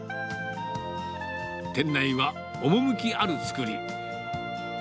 店内は趣ある造り。